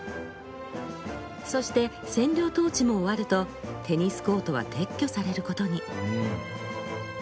そして占領統治も終わるとテニスコートは撤去されることに。